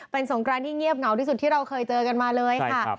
เป็นสงกรานที่เงียบเหงาที่สุดที่เราเคยเจอกันมาเลยค่ะ